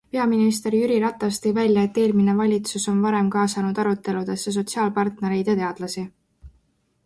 Peaminister Jüri Ratas tõi välja, et eelmine valitsus on varem kaasanud aruteludesse sotsiaalpartnereid ja teadlasi.